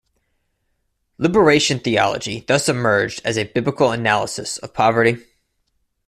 Liberation theology thus emerged as a biblical analysis of poverty.